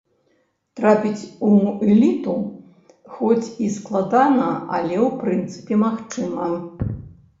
Трапіць у эліту, хоць і складана, але ў прынцыпе магчыма.